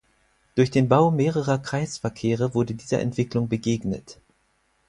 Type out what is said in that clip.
Durch den Bau mehrerer Kreisverkehre wurde dieser Entwicklung begegnet.